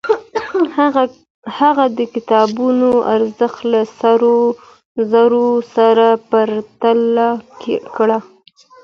هغه د کتابونو ارزښت له سرو زرو سره پرتله کړ.